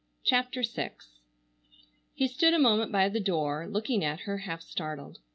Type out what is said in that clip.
CHAPTER VI He stood a moment by the door looking at her, half startled.